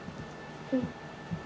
うん。